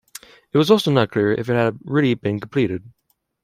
It is also not clear if it had really been completed.